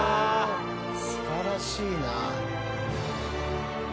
素晴らしいな。